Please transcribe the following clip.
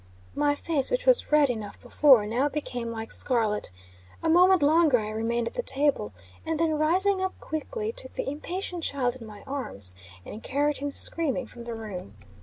My face, which was red enough before, now became like scarlet. A moment longer I remained at the table, and then rising up quickly took the impatient child in my arms, and carried him screaming from the room.